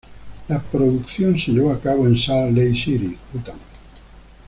La producción se llevó a cabo en Salt Lake City, Utah.